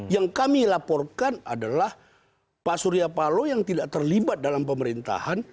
yang kami laporkan adalah pak surya paloh yang tidak terlibat dalam pemerintahan